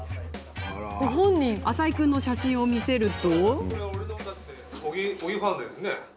浅井君の顔写真を見せると。